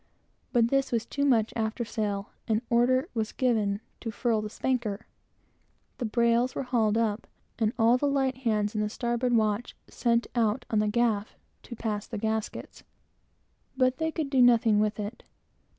But this was too much after sail; and order was given to furl the spanker. The brails were hauled up, and all the light hands in the starboard watch sent out on the gaff to pass the gaskets; but they could do nothing with it.